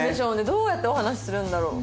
どうやってお話しするんだろう。